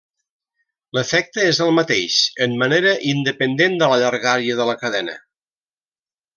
L'efecte és el mateix en manera independent de la llargària de la cadena.